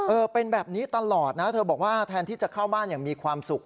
เออเป็นแบบนี้ตลอดนะเธอบอกว่าแทนที่จะเข้าบ้านอย่างมีความสุข